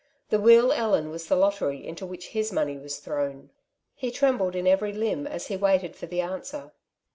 The Wheal Ellen was the lottery into which his money was thrown. He trembled in every limb as he waited for the answer.